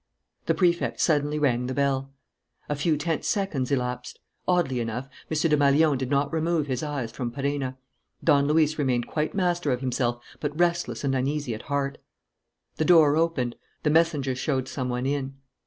The Prefect suddenly rang the bell. A few tense seconds elapsed. Oddly enough, M. Desmalions did not remove his eyes from Perenna. Don Luis remained quite master of himself, but restless and uneasy at heart. The door opened. The messenger showed some one in.